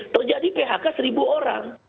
terjadi phk seribu orang